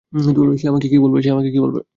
সে আমাকে কী বলবে?